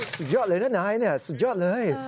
สุดยอดเลยนะนายสุดยอดเลย